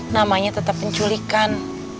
namanya tetap penculikan